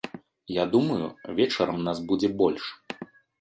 Я думаю, вечарам нас будзе больш.